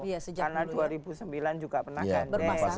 karena dua ribu sembilan juga pernah kan